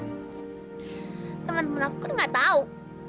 temen temen aku kan gak tau